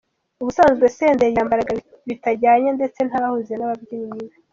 Ubusanzwe Senderi yambaraga bitajyanye ndetse ntahuze n’ababyinnyi be .